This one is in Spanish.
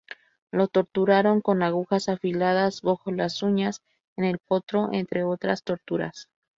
Lo torturaron con agujas afiladas bajo las uñas, en el potro, entre otras torturas.